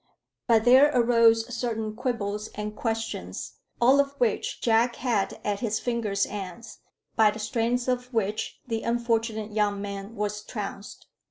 But there arose certain quibbles and questions, all of which Jack had at his fingers' ends, by the strength of which the unfortunate young man was trounced.